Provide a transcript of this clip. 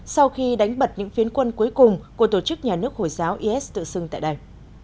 sau khi đánh bật những phiến quân cuối cùng của tổ chức nhà nước hồi giáo is tự xưng tại đây